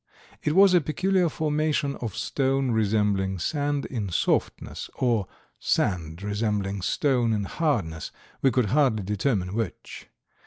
It was a peculiar formation of stone resembling sand in softness or sand resembling stone in hardness, we could hardly determine which.